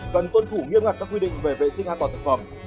cần tuân thủ nghiêm ngặt các quy định về vệ sinh an toàn thực phẩm